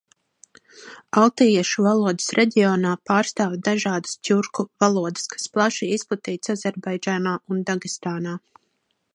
Altajiešu valodas reģionā pārstāv dažādas tjurku valodas, kas plaši izplatītas Azerbaidžānā un Dagestānā.